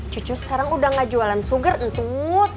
cucu sekarang udah gak jualan sugar ancut